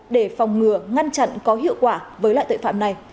để phòng ngừa ngăn chặn có hiệu quả với loại tội phạm này